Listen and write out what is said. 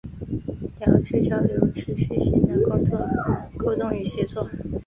遥距交流持续性的工作沟通与协作